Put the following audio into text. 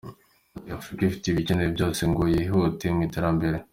Ati “Afurika ifite ibikenewe byose ngo yihute mu iterambere.